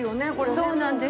そうなんですよ。